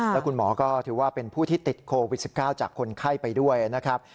แล้วคุณหมอก็ถือว่าเป็นผู้ที่ติดโควิด๑๙จากคนไข้ไปด้วยนะครับ